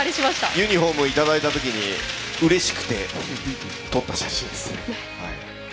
ユニフォームいただいた時にうれしくて撮った写真です。